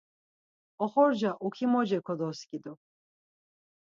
Oxorca ukimoce kodoskidu.